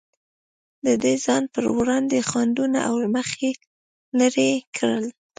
ده د ځان پر وړاندې خنډونه له مخې لرې کړل.